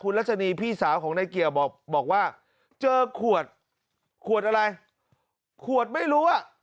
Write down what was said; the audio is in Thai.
รัชนีพี่สาวของนายเกี่ยวบอกว่าเจอขวดขวดอะไรขวดไม่รู้อ่ะ